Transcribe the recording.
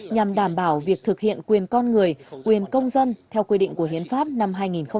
nhằm đảm bảo việc thực hiện quyền con người quyền công dân theo quy định của hiến pháp năm hai nghìn một mươi ba